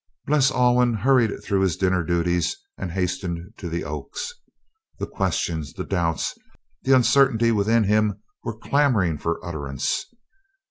Bles Alwyn had hurried through his dinner duties and hastened to the Oaks. The questions, the doubts, the uncertainty within him were clamoring for utterance.